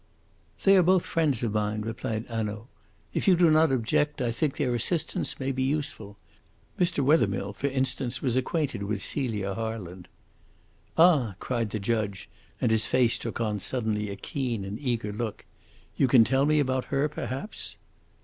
"They are both friends of mine," replied Hanaud. "If you do not object I think their assistance may be useful. Mr. Wethermill, for instance, was acquainted with Celia Harland." "Ah!" cried the judge; and his face took on suddenly a keen and eager look. "You can tell me about her perhaps?"